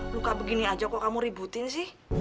luka begini aja kok kamu ributin sih